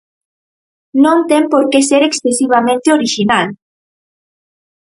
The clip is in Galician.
Non ten por que ser excesivamente orixinal.